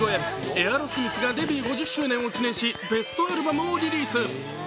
エアロスミスがデビュー５０周年を記念し、ベストアルバムをリリース。